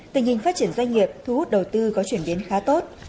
tình hình phát triển doanh nghiệp thu hút đầu tư có chuyển biến khá tốt